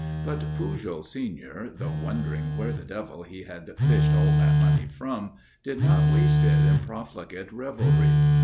But Pujol senior, though wondering where the devil he had fished all that money from, did not waste it in profligate revelry.